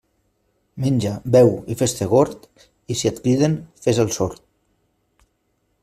Menja, beu i fes-te gord, i si et criden, fes el sord.